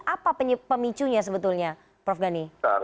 apa pemicunya sebetulnya prof gani